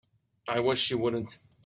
I wish you wouldn't.